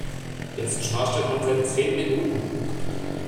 Jetzt schnarcht er schon seit zehn Minuten.